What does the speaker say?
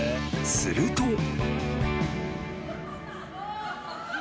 ［すると］